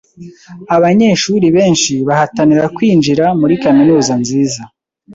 Abanyeshuri benshi bahatanira kwinjira muri kaminuza nziza.